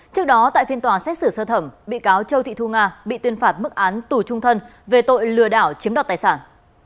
trước đó tại phiên tòa xét xử sơ thẩm bị cáo châu thị thu nga bị tuyên phạt mức án tù trung thân về tội lừa đảo chiếm đoạt tài sản